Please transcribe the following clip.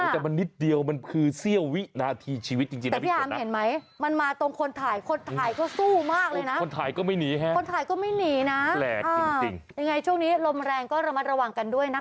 แต่มันนิดเดียวมันคือเสี้ยววินาทีชีวิตจริง